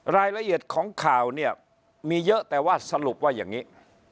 รายละเอียดของข่าวเนี่ยมีเยอะแต่ว่าสรุปว่าอย่างนี้